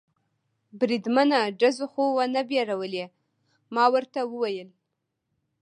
بریدمنه، ډزو خو و نه بیرولې؟ ما ورته وویل.